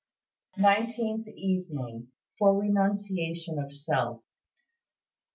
NINETEENTH EVENING. FOR RENUNCIATION OF SELF.